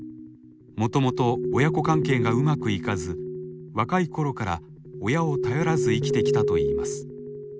もともと親子関係がうまくいかず若い頃から親を頼らず生きてきたといいます。